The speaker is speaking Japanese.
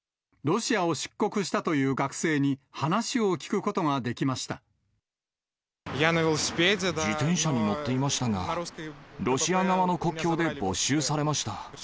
ロシアを出国したという学生に、自転車に乗っていましたが、ロシア側の国境で没収されました。